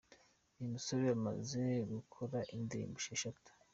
Uyu musore amaze gukora indirimbo esheshatu.